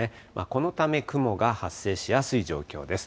このため雲が発生しやすい状況です。